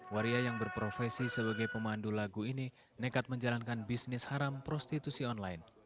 waria yang berprofesi sebagai pemandu lagu ini nekat menjalankan bisnis haram prostitusi online